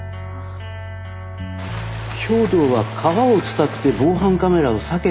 兵藤は川を伝って防犯カメラを避けたんだね。